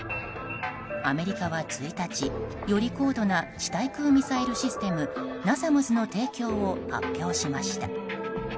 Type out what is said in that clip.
アメリカは１日、より高度な地対空ミサイルシステムＮＡＳＡＭＳの提供を発表しました。